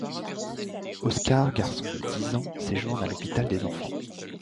Oscar, garçon de dix ans, séjourne à l'hôpital des enfants.